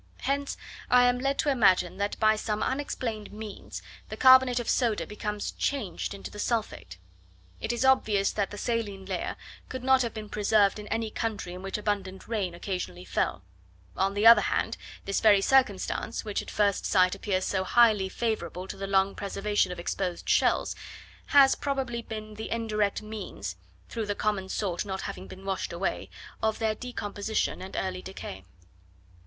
Hence I am led to imagine that by some unexplained means, the carbonate of soda becomes changed into the sulphate. It is obvious that the saline layer could not have been preserved in any country in which abundant rain occasionally fell: on the other hand, this very circumstance, which at first sight appears so highly favourable to the long preservation of exposed shells, has probably been the indirect means, through the common salt not having been washed away, of their decomposition and early decay.